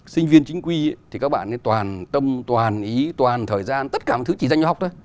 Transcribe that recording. sinh viên chính quy thì các bạn nên toàn tâm toàn ý toàn thời gian tất cả thứ chỉ dành cho học thôi